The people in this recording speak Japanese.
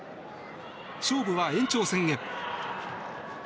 勝負は延長戦へ。